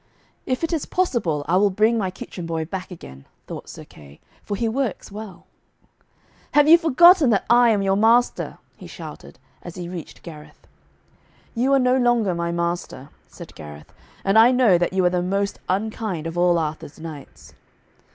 'If it is possible, I will bring my kitchen boy boy back again,' thought Sir Kay, 'for he works well.' 'Have you forgotten that I am your master?' he shouted, as he reached Gareth. 'You are no longer my master,' said Gareth, 'and I know that you are the most unkind of all Arthur's knights.'